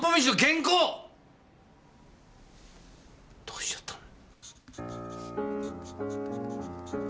どうしちゃったの？